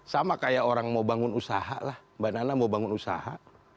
sama kayak orang mau bangun usaha lah mbak nana mau bangun usaha